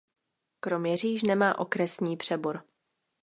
Kroměříž nemá okresní přebor.